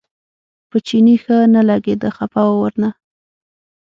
په چیني ښه نه لګېده خپه و ورنه.